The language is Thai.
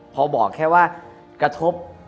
พอบอกแค่ว่ากระทบ